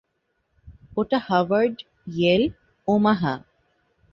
ওটা Harvard, Yale, Omaha.